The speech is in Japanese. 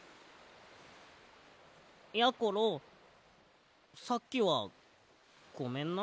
やころさっきはごめんな。